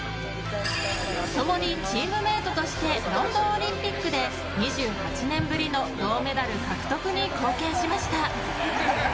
共にチームメートとしてロンドンオリンピックで２８年ぶりの銅メダル獲得に貢献しました。